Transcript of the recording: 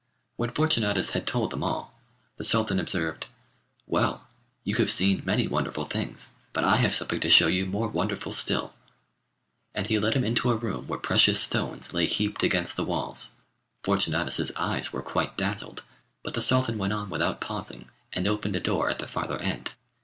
When Fortunatus had told them all, the Sultan observed: 'Well, you have seen many wonderful things, but I have something to show you more wonderful still;' and he led him into a room where precious stones lay heaped against the walls. Fortunatus' eyes were quite dazzled, but the Sultan went on without pausing and opened a door at the farther end.